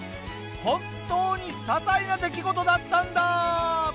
本当にささいな出来事だったんだ！